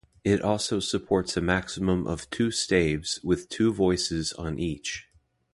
It also supports a maximum of two staves with two voices on each.